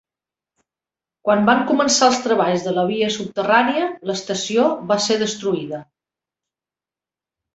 Quan van començar els treballs de la via subterrània, l'estació va ser destruïda.